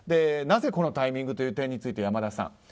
なぜこのタイミングという点について、山田さん。